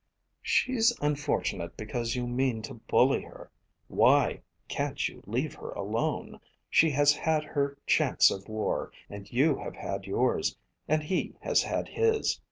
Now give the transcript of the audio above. "She's unfortunate because you mean to bully her. Why can't you leave her alone? She has had her chance of war, and you have had yours, and he has had his.